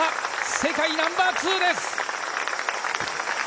世界ナンバー２です。